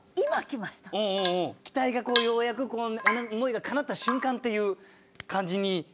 期待がようやく思いがかなった瞬間っていう感じにとれますね。